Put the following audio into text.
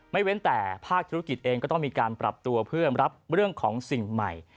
เว้นแต่ภาคธุรกิจเองก็ต้องมีการปรับตัวเพื่อรับเรื่องของสิ่งใหม่